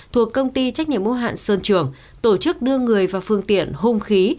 thuộc công ty trách nhiệm mô hạn sơn trường tổ chức đưa người vào phương tiện hung khí